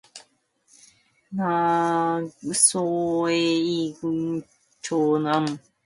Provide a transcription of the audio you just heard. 낙성식 전날 영신은 십 리도 넘는 자동차 정류장까지 마중을 나갔다.